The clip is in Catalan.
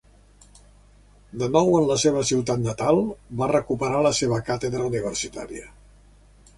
De nou en la seva ciutat natal, va recuperar la seva càtedra universitària.